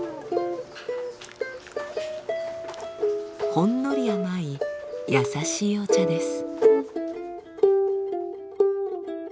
ほんのり甘い優しいお茶です。